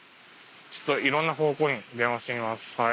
ちょっといろんな方向に電話してみますはい。